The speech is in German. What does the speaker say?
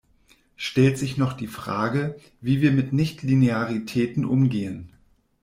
Stellt sich noch die Frage, wie wir mit Nichtlinearitäten umgehen.